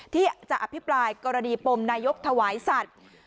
ที่จะอภิปรายกรณีปมนายกถวายสัตว์